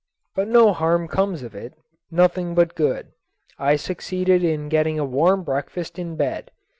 But no harm comes of it, nothing but good. I succeeded in getting a warm breakfast in bed.